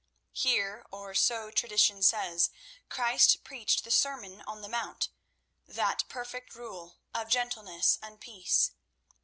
Here, or so tradition says, Christ preached the Sermon on the Mount—that perfect rule of gentleness and peace.